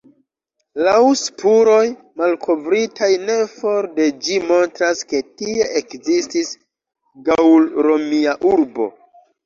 Laŭ spuroj malkovritaj ne for de ĝi montras ke tie ekzistis gaŭl-romia urbo.